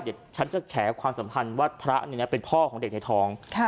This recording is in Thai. เดี๋ยวฉันจะแฉความสัมพันธ์ว่าพระเป็นพ่อของเด็กในท้อง